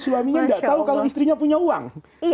suaminya tidak tahu kalau istrinya punya uang